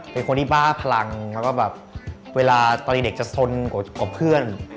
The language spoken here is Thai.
เป็นคนที่บ้าพลังแล้วก็แบบเวลาตอนเด็กจะสนกว่าเพื่อน